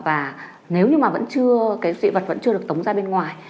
và nếu như mà vẫn chưa cái dị vật vẫn chưa được tống ra bên ngoài